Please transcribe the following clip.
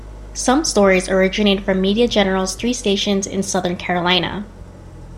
Some stories originated from Media General's three stations in South Carolina.